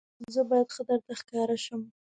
زه باید ښه درته ښکاره شم.